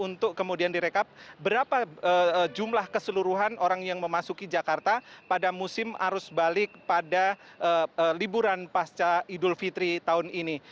untuk kemudian direkap berapa jumlah keseluruhan orang yang memasuki jakarta pada musim arus balik pada liburan pasca idul fitri tahun ini